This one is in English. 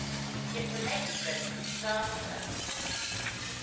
Yet the next reference startled her.